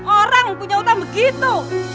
orang punya utang begitu